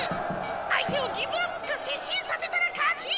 相手をギブアップか失神させたら勝ち！